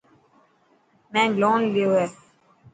مين لون ليو هاڻ.